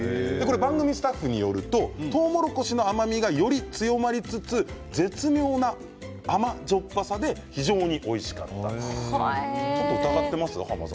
番組スタッフによるととうもろこしのうまみがより強まりつつ絶妙な甘じょっぱさで非常においしかったということです。